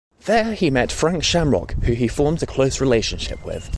There he met Frank Shamrock, who he formed a close relationship with.